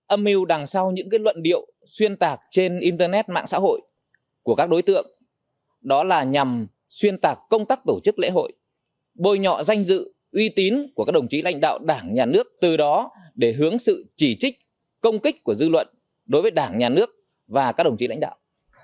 âm mưu đằng sau những luận điệu xuyên tạc trên internet mạng xã hội của các đối tượng đó là nhằm xuyên tạc công tác tổ chức lễ hội bồi nhọ danh dự uy tín của các đồng chí lãnh đạo đảng nhà nước từ đó để hướng sự chỉ trích công kích của dư luận đối với đảng nhà nước và các đồng chí lãnh đạo